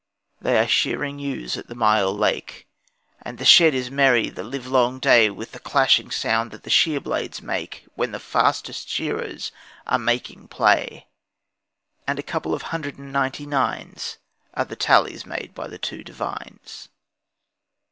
..... They are shearing ewes at the Myall Lake, And the shed is merry the livelong day With the clashing sound that the shear blades make When the fastest shearers are making play, And a couple of 'hundred and ninety nines' Are the tallies made by the two Devines.